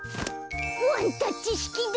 ワンタッチしきだ！